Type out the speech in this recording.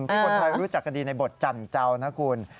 ที่คนไทยรู้จักกันดีในบทจันเจ้านะคุณ